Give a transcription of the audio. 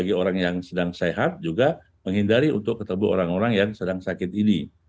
karena orang yang sedang sehat juga menghindari untuk ketemu orang orang yang sedang sakit ini